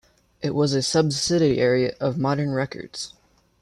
It was a subsidiary of Modern Records.